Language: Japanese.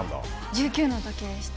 １９のときでした。